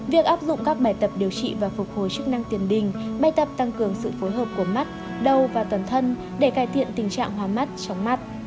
việc áp dụng các bài tập điều trị và phục hồi chức năng tiền đình bài tập tăng cường sự phối hợp của mắt đâu và toàn thân để cải thiện tình trạng hoa mắt trong mắt